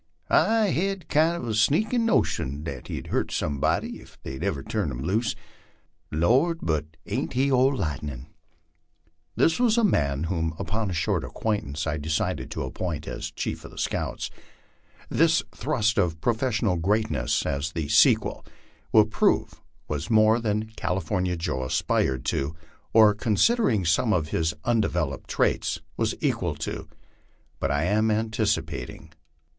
I bed a kind of a sneakin' notion then that he'd hurt somebody ef they'd ever turn him loose. Lord, but ain't he old lightnin'? " This was the man whom upon a short acquaintance I decided to appoint as chief of the scouts. This thrust of professional greatness, as the sequel will prove, was more than California Joe aspired to, or, con sidering some of his undeveloped traits, was equal to; but I am anticipating.